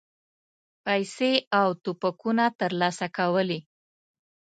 پیسې او توپکونه ترلاسه کولې.